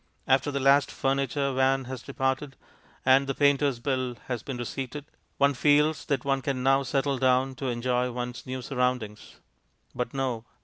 After the last furniture van has departed, and the painters' bill has been receipted, one feels that one can now settle down to enjoy one's new surroundings. But no.